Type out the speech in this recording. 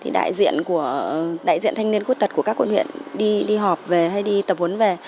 đại diện thanh niên khuyết tật của các quận huyện đi họp về hay đi tập huấn về